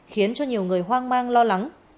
khiến cho nhiều người hoang mang lo lắng